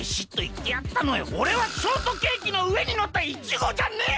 おれはショートケーキのうえにのったイチゴじゃねえ！